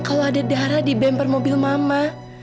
kalau ada darah di bemper mobil mama